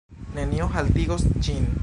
Nenio haltigos ĝin.